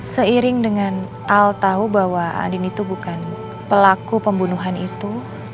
seiring dengan al tahu bahwa andin itu bukan pelaku pembunuhan itu